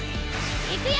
いくよ！